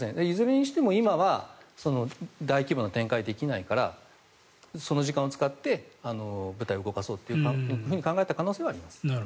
いずれにしても今は大規模な展開はできないからその時間を使って部隊を動かそうと考えた可能性はあります。